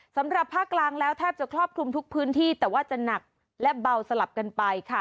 สำหรับภาคกลางแล้วแทบจะครอบคลุมทุกพื้นที่แต่ว่าจะหนักและเบาสลับกันไปค่ะ